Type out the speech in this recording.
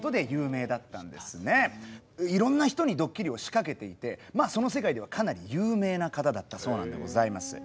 いろんな人にドッキリを仕掛けていてその世界ではかなり有名な方だったそうなんでございます。